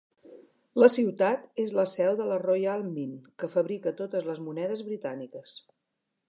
La ciutat és la seu de la Royal Mint, que fabrica totes les monedes britàniques.